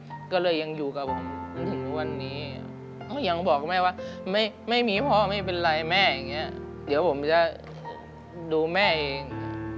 ก็คิดได้แล้วก็ก็เลยยังอยู่กับผมถึงวันนี้ต้องยังบอกแม่ว่าไม่มีพ่อไม่เป็นไรแม่อย่างเนี่ยเดี๋ยวผมจะดูแม่เอง